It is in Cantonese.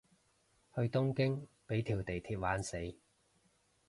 去東京畀條地鐵玩死